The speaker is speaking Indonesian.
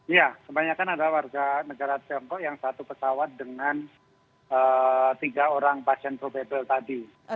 ya kebanyakan adalah warga negara tiongkok yang satu pesawat dengan tiga orang pasien probable tadi